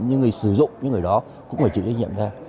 những người sử dụng những người đó cũng phải chịu trách nhiệm ra